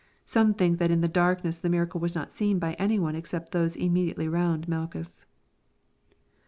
Some think that in the darkness the miracle was not seen by any one except those immediately round Malchus.